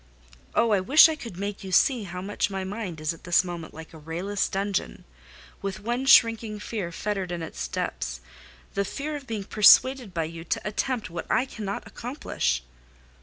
Oh, I wish I could make you see how much my mind is at this moment like a rayless dungeon, with one shrinking fear fettered in its depths—the fear of being persuaded by you to attempt what I cannot accomplish!"